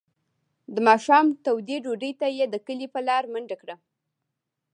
د ماښام تودې ډوډۍ ته یې د کلي په لاره منډه کړه.